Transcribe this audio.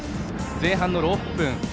前半６分。